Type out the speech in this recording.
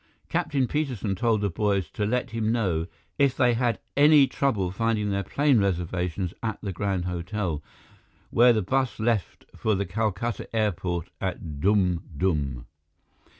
Captain Peterson told the boys to let him know if they had any trouble finding their plane reservations at the Grand Hotel, where the bus left for the Calcutta Airport at Dum Dum.